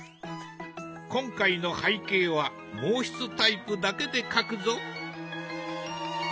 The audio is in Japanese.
今回の背景は毛筆タイプだけで描くぞ。